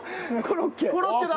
コロッケだ！